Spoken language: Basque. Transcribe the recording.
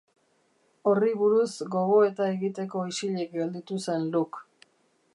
Horri buruz gogoeta egiteko isilik gelditu zen Luc.